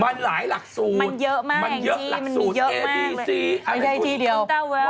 เสียงสูงมากอะพี่เมียว